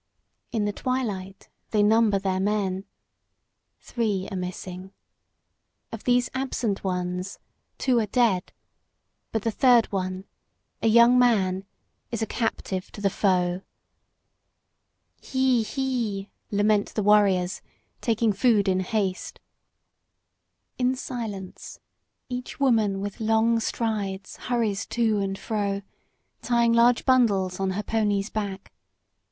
In the twilight they number their men. Three are missing. Of these absent ones two are dead; but the third one, a young man, is a captive to the foe. "He he!" lament the warriors, taking food in haste. In silence each woman, with long strides, hurries to and fro, tying large bundles on her pony's back.